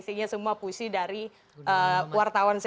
dimana isinya semua puisi dari wartawan saya